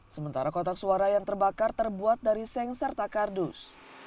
sementara kotak suara yang terbakar terbuat dari sengserta kardus